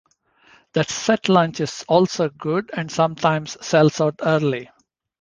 The set lunch is also good and sometimes sells out early.